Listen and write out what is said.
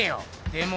でも。